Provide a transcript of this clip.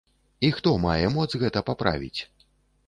І хто мае моц гэта паправіць?